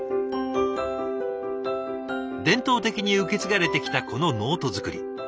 伝統的に受け継がれてきたこのノート作り。